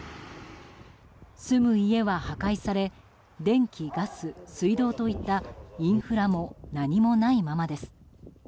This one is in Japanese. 住む家は破壊され電気、ガス、水道といったインフラも何もないままです。